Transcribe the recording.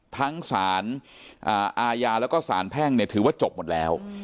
ทั้งสารอาญาแล้วก็สารแพ่งถือว่าจบหมดแล้ว